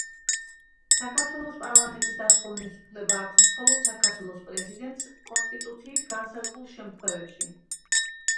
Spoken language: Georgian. საქართველოს პარლამენტის დათხოვნის უფლება აქვს მხოლოდ საქართველოს პრეზიდენტს, კონსტიტუციით განსაზღვრულ შემთხვევებში.